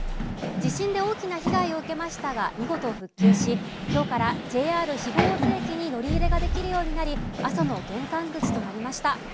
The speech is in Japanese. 地震で大きな被害を受けましたが見事復旧し今日からＪＲ肥後大津駅に乗り入れができるようになり阿蘇の玄関口となりました。